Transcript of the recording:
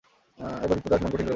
এবার বিপ্রদাস মন কঠিন করে বসল।